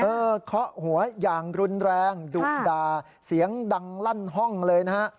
เคาะหัวอย่างรุนแรงดุด่าเสียงดังลั่นห้องเลยนะฮะ